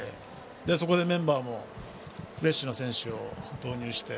そこでメンバーもフレッシュな選手を投入して。